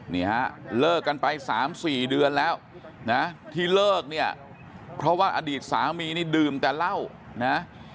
นี่ฮะเลิกกันไป๓๔เดือนแล้วนะที่เลิกเนี่ยเพราะว่าอดีตสามีนี่ดื่มแต่เหล้านะ